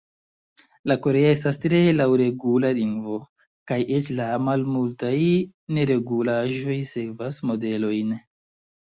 La korea estas tre laŭregula lingvo, kaj eĉ la malmultaj neregulaĵoj sekvas modelojn.